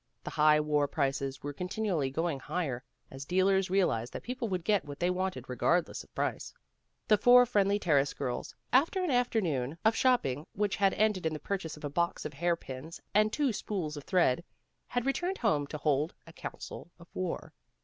The high war prices were con tinually going higher, as dealers realized that people would get what they wanted regardless of price. The four Friendly Terrace girls, after an afternoon of shopping which had ended in the purchase of a box of hair pins and two spools of thread, had returned home to hold a council of war.